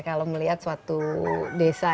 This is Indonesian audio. kalau melihat suatu desa